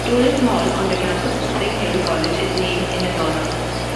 Toolen Hall, on the campus of Spring Hill College, is named in his honor.